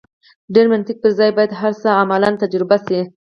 ډېر منطق پر ځای باید هر څه عملاً تجربه شي.